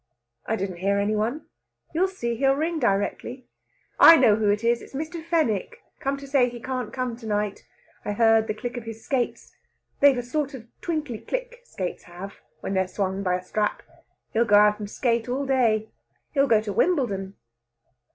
"I didn't hear any one." "You'll see, he'll ring directly. I know who it is; it's Mr. Fenwick come to say he can't come to night. I heard the click of his skates. They've a sort of twinkly click, skates have, when they're swung by a strap. He'll go out and skate all day. He'll go to Wimbledon."